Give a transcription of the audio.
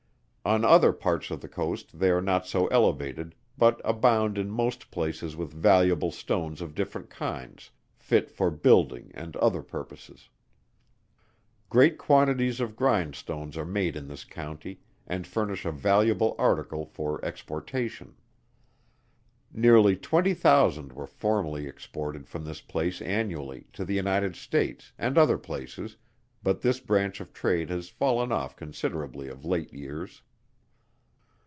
On other parts of the coast they are not so elevated, but abound in most places with valuable stones of different kinds, fit for building and other purposes. Great quantities of Grindstones are made in this county, and furnish a valuable article for exportation. Nearly twenty thousand were formerly exported from this place annually, to the United States, and other places, but this branch of trade has fallen off considerably of late years.